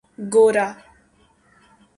گورا